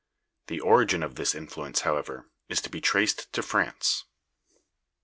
The origin of this influence, however, is to be traced to France.